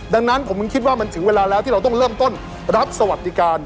ดังนั้นผมยังคิดว่ามันถึงเวลาแล้วที่เราต้องเริ่มต้นรับสวัสดิการ